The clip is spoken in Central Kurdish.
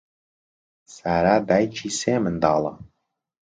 سارا دایکی سێ منداڵە.